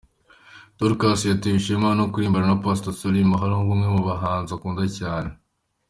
Dorcas yatewe ishema no kuririmbana na Pastor Solly Mahlangu umwe mu bahanzi akunda cyane.